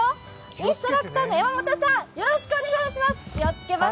インストラクターの山本さん、よろしくお願いします。